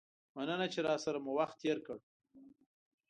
مننه چې راسره مو وخت تیر کړ.